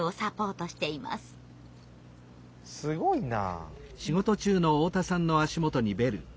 すごいな。